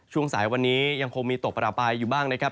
ช่วงสายวันนี้ยังคงมีตกประปายอยู่บ้างนะครับ